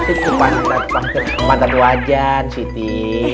itu pantat wajan siti